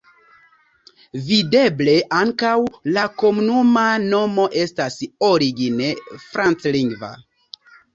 Videble ankaŭ la komunuma nomo estas origine franclingva.